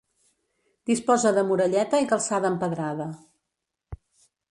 Disposa de muralleta i calçada empedrada.